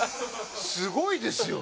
すごいですよね。